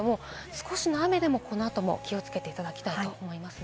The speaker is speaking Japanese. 少しの雨でも、この後も気をつけていただきたいと思います。